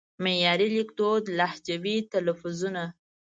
معیاري لیکدود لهجوي تلفظونه